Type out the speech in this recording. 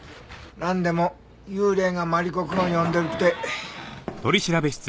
なんでも幽霊がマリコくんを呼んでるって。